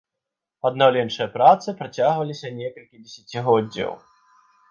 Аднаўленчыя працы працягваліся некалькі дзесяцігоддзяў.